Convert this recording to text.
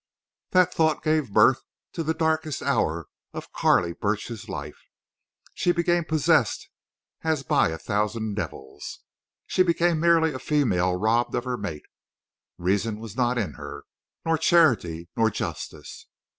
That thought gave birth to the darkest hour of Carley Burch's life. She became possessed as by a thousand devils. She became merely a female robbed of her mate. Reason was not in her, nor charity, nor justice.